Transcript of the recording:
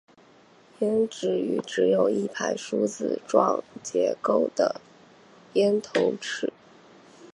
胭脂鱼只有一排梳子状结构的咽头齿。